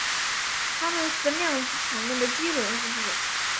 它们是量子场论的基本物质。